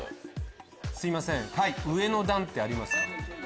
すいません上の段ありますか？